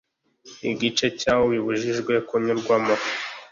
igice cyawo bibujijwe kunyurwamo